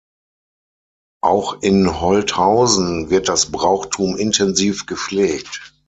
Auch in Holthausen wird das Brauchtum intensiv gepflegt.